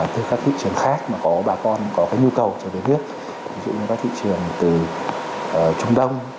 từ các thị trường khác mà có bà con có nhu cầu cho đến nước ví dụ như các thị trường từ trung đông